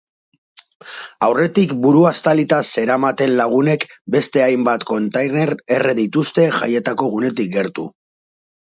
Aurretik burua estalita zeramaten lagunek beste hainbat kontainer erre dituzte jaietako gunetik gertu.